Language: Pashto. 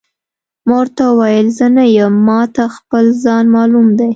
ما ورته وویل: زه نه یم، ما ته خپل ځان معلوم دی.